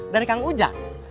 dari kang uja